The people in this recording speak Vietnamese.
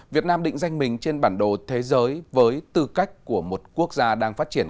việt nam định danh mình trên bản đồ thế giới với tư cách của một quốc gia đang phát triển